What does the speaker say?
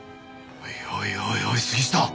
おいおいおいおい杉下。